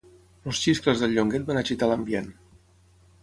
Els xiscles del Llonguet van agitar l'ambient.